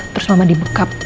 terus mama di bekap